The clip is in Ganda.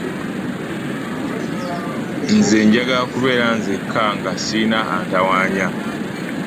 Nze njagala kubeera nzeka nga sirina antawanya.